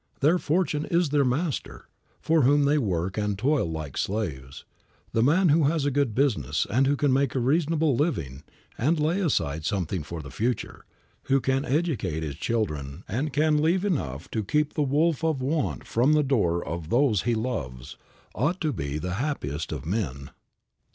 Their fortune is their master, for whom they work and toil like slaves. The man who has a good business and who can make a reasonable living and lay aside something for the future, who can educate his children and can leave enough to keep the wolf of want from the door of those he loves, ought to be the happiest of men.